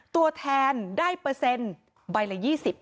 ตัวแทนได้เปอร์เซ็นต์ใบละ๒๐